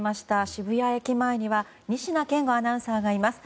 渋谷駅前には仁科健吾アナウンサーがいます。